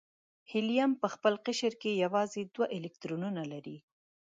هیلیم په خپل قشر کې یوازې دوه الکترونونه لري.